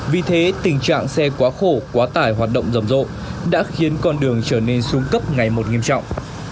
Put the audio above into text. vì thế tình trạng xe quá khổ quá tải hoạt động rầm rộ đã khiến con đường trở nên xuống cấp ngày một nghiêm trọng